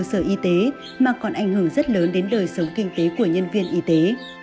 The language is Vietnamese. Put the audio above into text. cơ sở y tế mà còn ảnh hưởng rất lớn đến đời sống kinh tế của nhân viên y tế